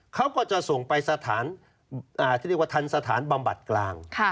เขาก็จะส่งไปสถานที่เรียกว่าทันสถานบำบัดกลาง